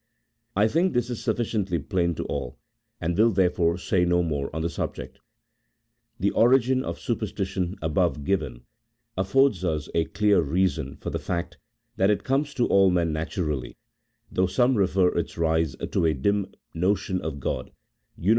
I think this is sufficiently plain to all, and will therefore say no more on the subject. The origin of superstition above given affords us a clear reason for the fact, that it comes to all men naturally, though some refer its rise to a dim notion of God, uni THE PREFACE.